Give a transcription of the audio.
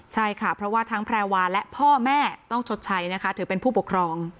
ใช่ค่ะเพราะว่าทั้งแพรวาและพ่อแม่ต้องชดใช้นะคะถือเป็นผู้ปกครอง